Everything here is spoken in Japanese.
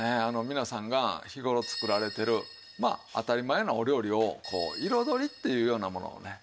皆さんが日頃作られてるまあ当たり前のお料理を彩りっていうようなものを中心に集めたんですよ。